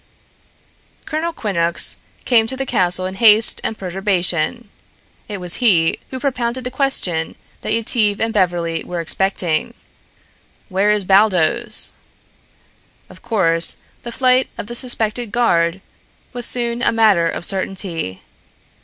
Colonel Quinnox came to the castle in haste and perturbation. It was he who propounded the question that Yetive and Beverly were expecting: "Where is Baldos?" Of course, the flight of the suspected guard was soon a matter of certainty.